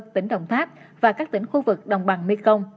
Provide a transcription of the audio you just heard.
tỉnh đồng tháp và các tỉnh khu vực đồng bằng mỹ công